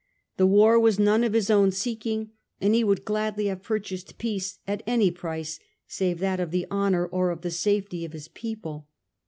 The war was none of his own seeking, and he would gladly have purchased peace at any price save that of honour or of the safety of his people.